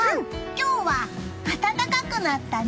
今日は暖かくなったね！